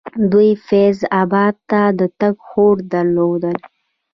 دوی فیض اباد ته د تګ هوډ درلودل.